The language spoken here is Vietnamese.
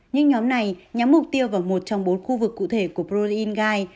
những nhóm này nhắm mục tiêu vào một trong bốn khu vực cụ thể của proline gai